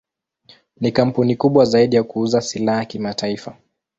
Ni kampuni kubwa zaidi ya kuuza silaha kimataifa.